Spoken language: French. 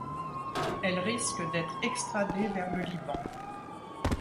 Elle risque d’être extradée vers le Liban.